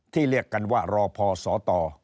เรียกกันว่ารอพอสต